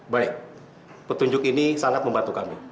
baik petunjuk ini sangat membantu kami